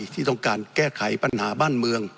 ที่ต้องการแก้ไขปัญหาบ้านเมือง